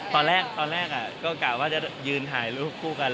ตอนแรกก็กลับว่ายืนถ่ายรูปคู่กัน